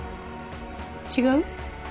違う？